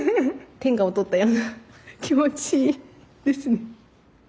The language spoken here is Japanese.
天下を取ったような気持ちですね。